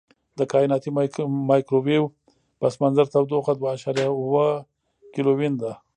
د کائناتي مایکروویو پس منظر تودوخه دوه اعشاریه اووه کیلوین ده.